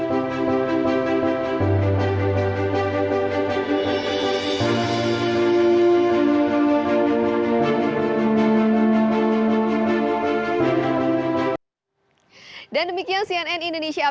ketemu lagi di indonesia